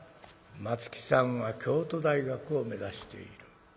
松木さんは京都大学を目指している。